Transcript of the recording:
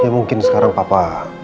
ya mungkin sekarang papa